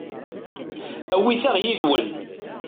Awit-aɣ yid-wen.